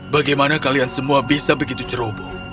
bagaimana kalian semua bisa begitu ceroboh